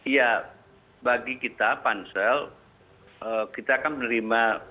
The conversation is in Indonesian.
ya bagi kita pansel kita akan menerima